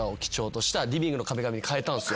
変えたんすよ。